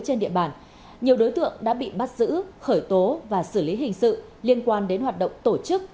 trên địa bàn nhiều đối tượng đã bị bắt giữ khởi tố và xử lý hình sự liên quan đến hoạt động tổ chức